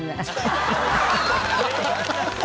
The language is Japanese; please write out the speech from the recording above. ハハハハ！